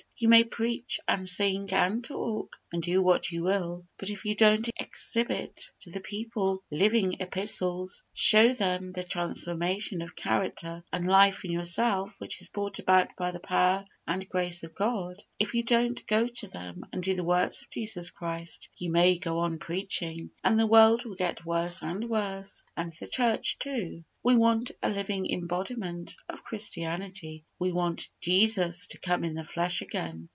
You may preach, and sing, and talk, and do what you will; but, if you don't exhibit to the people living epistles, show them the transformation of character and life in yourself which is brought about by the power and grace of God if you don't go to them and do the works of Jesus Christ, you may go on preaching, and the world will get worse and worse, and the church, too. We want a living embodiment of Christianity. We want JESUS TO COME IN THE FLESH AGAIN.